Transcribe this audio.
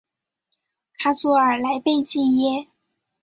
卡祖尔莱贝济耶。